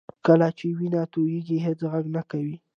کله چې وینه تویېږي هېڅ غږ نه کوي